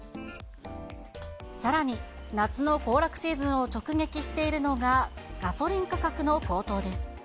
さらに、夏の行楽シーズンを直撃しているのが、ガソリン価格の高騰です。